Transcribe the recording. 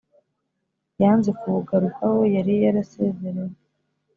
Yanze kuwugarukaho yari yarasezerewe